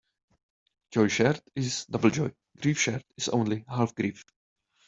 Joy shared is double joy; grief shared is only half grief.